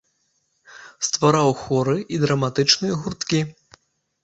Ствараў хоры і драматычныя гурткі.